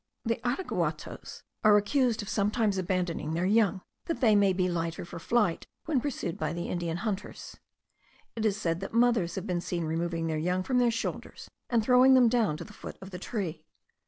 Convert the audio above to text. The araguatos are accused of sometimes abandoning their young, that they may be lighter for flight when pursued by the Indian hunters. It is said that mothers have been seen removing their young from their shoulders, and throwing them down to the foot of the tree.